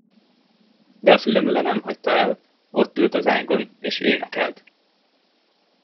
De a fülemüle nem hagyta el, ott ült az ágon, és énekelt.